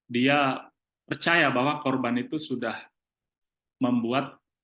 dia percaya bahwa korban itu sudah membuat